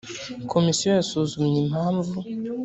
komisiyo yasuzumye impamvu